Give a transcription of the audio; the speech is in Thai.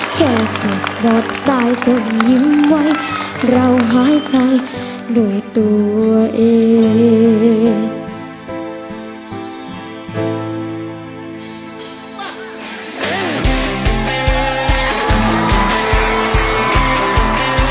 แค่สุดอดตายจนยิ้มไว้เราหายใจด้วยตัวเอง